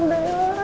enggak ini beneran